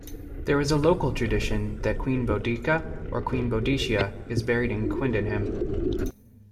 There is a local tradition that Queen Boudica or Boadicea is buried in Quidenham.